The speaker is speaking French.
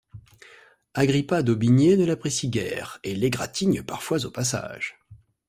Agrippa d'Aubigné ne l'apprécie guère et l'égratigne parfois au passage.